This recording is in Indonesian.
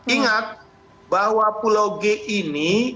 ingat bahwa pulau g ini